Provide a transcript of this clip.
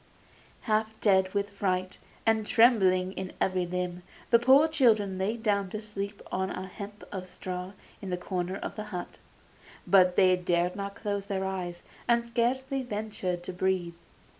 Half dead with fright, and trembling in every limb, the poor children lay down to sleep on a heap of straw in the corner of the hut; but they dared not close their eyes, and scarcely ventured to breathe.